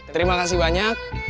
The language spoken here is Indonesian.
terima kasih banyak